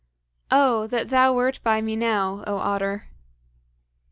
"Oh! that thou wert by me now, oh otter!"